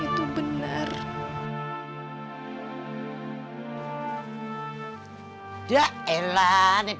tapi aku juga bisa tanyakan sembarangan dari dia